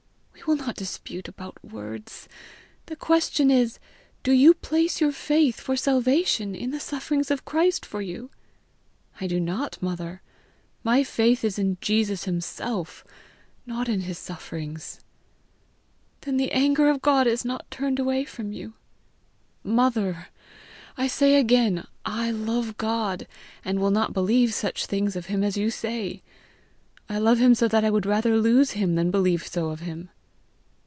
"We will not dispute about words! The question is, do you place your faith for salvation in the sufferings of Christ for you?" "I do not, mother. My faith is in Jesus himself, not in his sufferings." "Then the anger of God is not turned away from you." "Mother, I say again I love God, and will not believe such things of him as you say. I love him so that I would rather lose him than believe so of him."